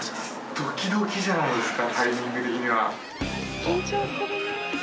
ドキドキじゃないですかタイミング的には。